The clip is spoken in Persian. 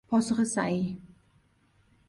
پاسخ صحیح